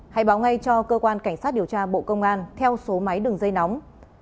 hãy báo ngay cho cơ quan cảnh sát điều tra bộ công an theo số máy đường dây nóng